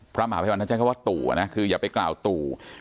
พระมหาภัยวันท่านใช้คำว่าตู่นะคืออย่าไปกล่าวตู่